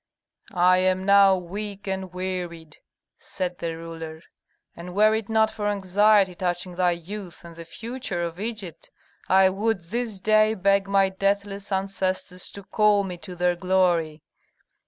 "I am now weak and wearied," said the ruler, "and were it not for anxiety touching thy youth and the future of Egypt, I would this day beg my deathless ancestors to call me to their glory.